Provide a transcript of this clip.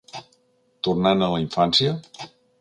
Tornant a la infància?